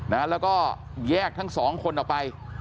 นะแล้วก็แยกทั้ง๒คนออกไป